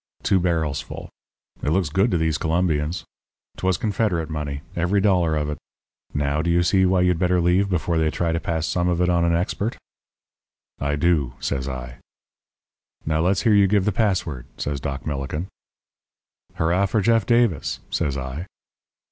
Two barrels full. It looks good to these Colombians. 'Twas Confederate money, every dollar of it. Now do you see why you'd better leave before they try to pass some of it on an expert?' "'I do,' says I. "'Now let's hear you give the password,' says Doc Millikin. "'Hurrah for Jeff Davis!' says I.